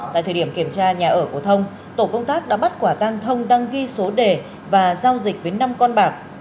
tại thời điểm kiểm tra nhà ở của thông tổ công tác đã bắt quả tang thông đang ghi số đề và giao dịch với năm con bạc